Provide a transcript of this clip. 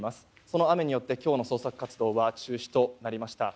その雨によって今日の捜索活動は中止となりました。